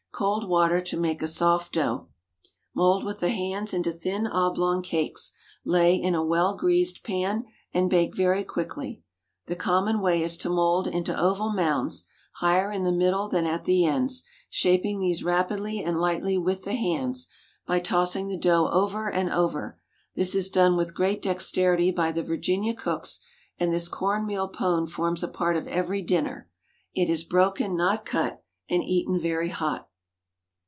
Cold water to make a soft dough. Mould with the hands into thin oblong cakes, lay in a well greased pan, and bake very quickly. The common way is to mould into oval mounds, higher in the middle than at the ends, shaping these rapidly and lightly with the hands, by tossing the dough over and over. This is done with great dexterity by the Virginia cooks, and this corn meal pone forms a part of every dinner. It is broken, not cut, and eaten very hot.